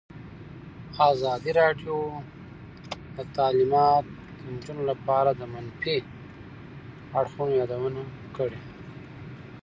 ازادي راډیو د تعلیمات د نجونو لپاره د منفي اړخونو یادونه کړې.